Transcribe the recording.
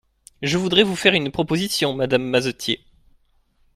Je voudrais vous faire une proposition, madame Mazetier.